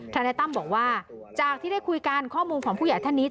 นายตั้มบอกว่าจากที่ได้คุยกันข้อมูลของผู้ใหญ่ท่านนี้